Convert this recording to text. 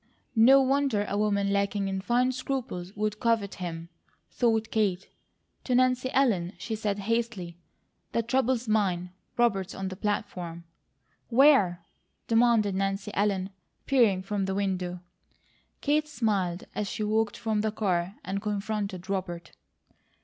"No wonder a woman lacking in fine scruples would covet him," thought Kate. To Nancy Ellen she said hastily: "The trouble's mine. Robert's on the platform." "Where?" demanded Nancy Ellen, peering from the window. Kate smiled as she walked from the car and confronted Robert.